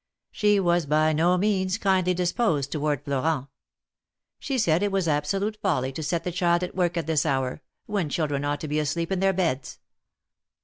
She was by no means kindly dis posed toward Florent. She said it was absolute folly to set the child at work at this hour, when children ought to be asleep in their beds.